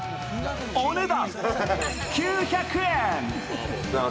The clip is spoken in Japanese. お値段９００円。